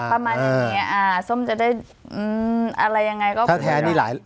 ประมาณอย่างนี้อ่าส้มจะได้อะไรยังไงก็แท้นี่หลาย